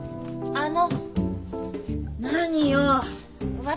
あの。